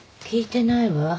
聞いてないわ。